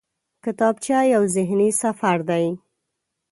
کتابچه یو ذهني سفر دی